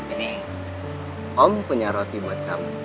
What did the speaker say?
ini om punya roti buat kamu